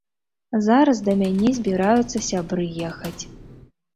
Зараз да мяне збіраюцца сябры ехаць.